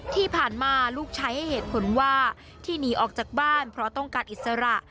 ที่ผ่านมาลูกใช้ให้เหตุผลว่าที่หนีออกจากบ้านเพราะต้องการอิสระ